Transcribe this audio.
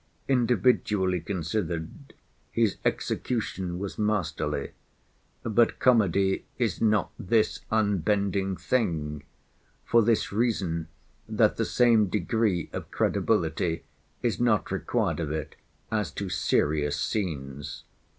Individually considered, his execution was masterly. But comedy is not this unbending thing; for this reason, that the same degree of credibility is not required of it as to serious scenes.